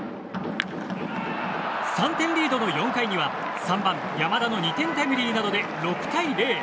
３点リードの４回には３番、山田の２点タイムリーなどで６対０。